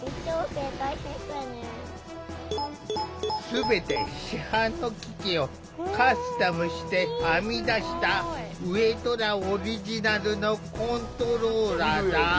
全て市販の機器をカスタムして編み出した上虎オリジナルのコントローラーだ。